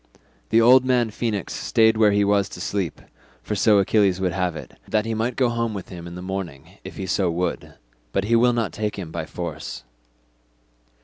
The old man Phoenix stayed where he was to sleep, for so Achilles would have it, that he might go home with him in the morning if he so would; but he will not take him by force."